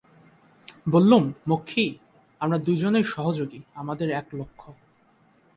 বললুম, মক্ষী, আমরা দুজনে সহযোগী, আমাদের এক লক্ষ্য।